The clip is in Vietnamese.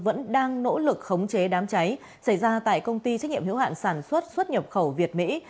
vẫn đang nỗ lực khống chế đám cháy xảy ra tại công ty trách nhiệm hiệu hạn sản xuất xuất nhập khẩu việt mỹ